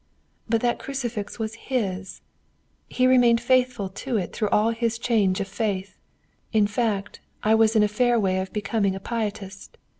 But that crucifix was his. He remained faithful to it through all his change of faith. In fact, I was in a fair way of becoming a Pietist.